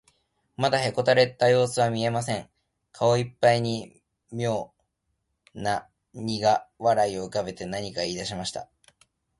まだへこたれたようすは見えません。顔いっぱいにみょうなにが笑いをうかべて、何かいいだしました。